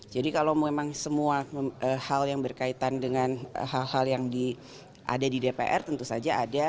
jadi kalau memang semua hal yang berkaitan dengan hal hal yang ada di dpr tentu saja ada